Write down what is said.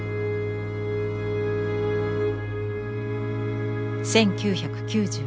１９９４年。